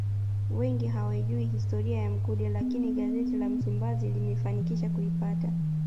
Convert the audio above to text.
Wengi hawaijui historia ya Mkude lakini gazeti la Msimbazi limefanikisha kuipata